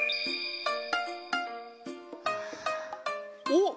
お！